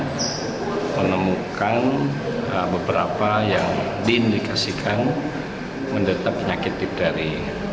kita menemukan beberapa yang diindikasikan mendetapkan penyakit difteri